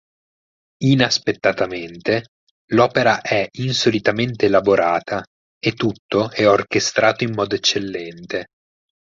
Inaspettatamente, l'opera è insolitamente elaborata, e tutto è orchestrato in modo eccellente.